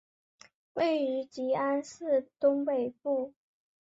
位于吉安市东北部。